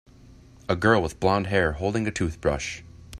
A girl with blondhair holding a toothbrush.